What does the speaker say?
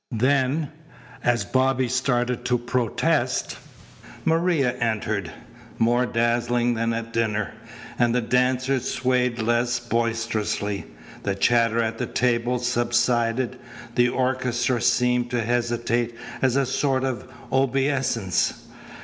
Then, as Bobby started to protest, Maria entered, more dazzling than at dinner; and the dancers swayed less boisterously, the chatter at the tables subsided, the orchestra seemed to hesitate as a sort of obeisance.